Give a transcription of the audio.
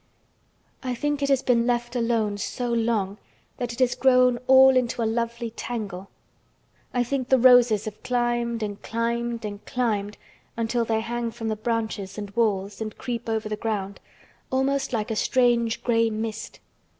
"I think it has been left alone so long—that it has grown all into a lovely tangle. I think the roses have climbed and climbed and climbed until they hang from the branches and walls and creep over the ground—almost like a strange gray mist.